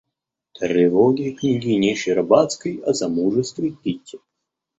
Тревоги княгини Щербацкой о замужестве Кити.